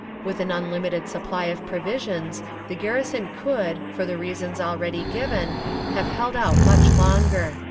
... With an unlimited supply of provisions, the garrison could, for the reasons already given, have held out much longer."